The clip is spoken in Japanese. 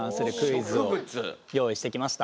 用意してきました。